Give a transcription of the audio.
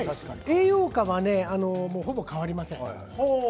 栄養価はほぼ変わりません。